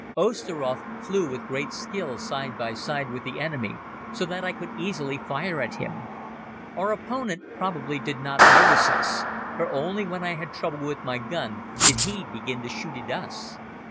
Osteroth flew with great skill side by side with the enemy so that I could easily fire at him. Our opponent probably did not notice us, for only when I had trouble with my gun did he begin to shoot at us.